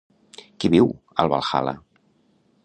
Qui viu al Valhalla?